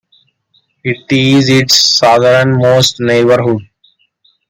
It is its southernmost neighborhood.